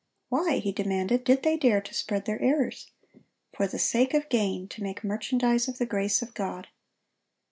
Why, he demanded, did they dare to spread their errors? For the sake of gain, to make merchandise of the grace of God.